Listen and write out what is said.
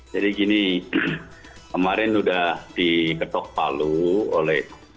jadi gini kemarin sudah diketok palu oleh